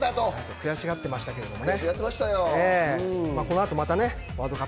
悔しがってましたね。